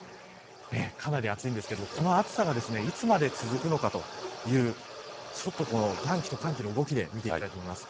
かなり暑いですが、この暑さがいつまで続くのかという暖気と寒気の動きで見ていきます。